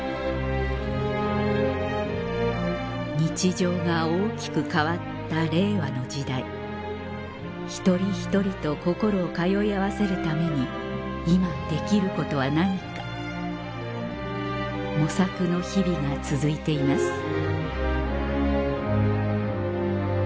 日常が大きく変わった令和の時代一人一人と心を通い合わせるために今できることは何か模索の日々が続いています